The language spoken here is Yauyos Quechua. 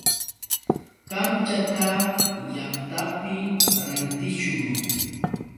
Kamchata llaqtapi rantishun.